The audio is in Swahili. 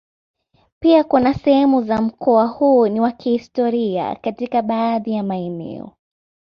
Pia kuna sehemu za mkoa huu ni wa kihistoria katika baadhi ya maeneo.